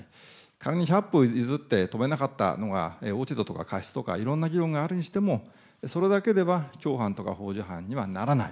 仮に百歩譲って止めなかったのが落ち度とか過失とか、いろんな議論があるにしても、それだけでは共犯とかほう助犯にはならない。